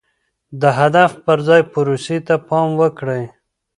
د هدف پر ځای پروسې ته پام وکړئ.